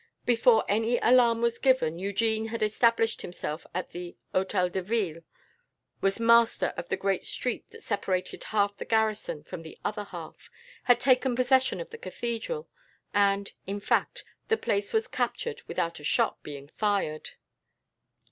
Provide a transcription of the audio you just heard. "Before any alarm was given, Eugene had established himself at the Hotel de Ville, was master of the great street that separated half the garrison from the other half, had taken possession of the cathedral; and, in fact, the place was captured without a shot being fired.